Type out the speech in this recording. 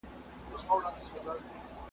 ستا په دې زاړه درمل به کله په زړه ښاد سمه .